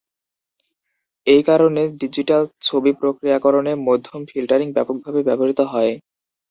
এই কারণে, ডিজিটাল ছবি প্রক্রিয়াকরণে মধ্যম ফিল্টারিং ব্যাপকভাবে ব্যবহৃত হয়।